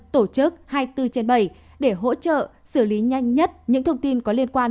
tổ chức hai mươi bốn trên bảy để hỗ trợ xử lý nhanh nhất những thông tin có liên quan